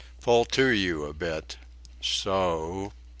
Pull to you a bit.... So o o.